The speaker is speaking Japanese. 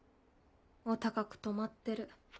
お高くとまってる。